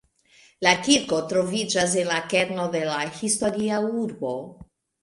La kirko troviĝas en la kerno de la historia urbo.